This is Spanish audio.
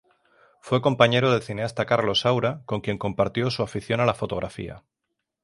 Fue compañero del cineasta Carlos Saura con quien compartió su afición a la fotografía.